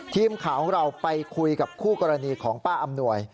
ทีมข่าวของเราไปคุยกับคู่กรณีของป้าอำนวย